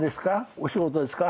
お仕事ですか？」